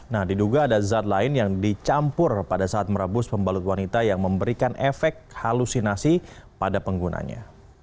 nah diduga ada zat lain yang dicampur pada saat merebus pembalut wanita yang memberikan efek halusinasi pada penggunanya